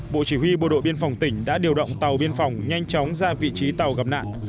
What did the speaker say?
bộ chỉ huy bộ đội biên phòng tỉnh đã điều động tàu biên phòng nhanh chóng ra vị trí tàu gặp nạn